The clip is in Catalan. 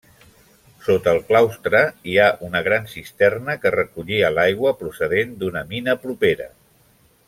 Sota el claustre hi ha una gran cisterna, que recollia l'aigua procedent d'una mina propera.